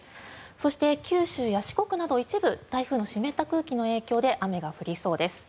そして、九州や四国など一部、台風の湿った空気の影響で雨が降りそうです。